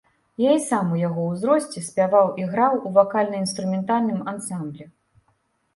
Я і сам у яго ўзросце спяваў і граў у вакальна-інструментальным ансамблі.